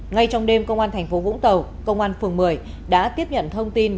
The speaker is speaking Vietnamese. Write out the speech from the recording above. ngay trong đêm công an tp vũng tàu công an phường một mươi đã tiếp nhận thông tin